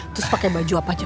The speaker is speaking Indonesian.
terus pakai baju apa aja